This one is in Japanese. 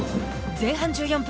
前半１４分。